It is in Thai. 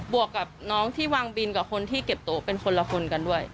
วกกับน้องที่วางบินกับคนที่เก็บโต๊ะเป็นคนละคนกันด้วย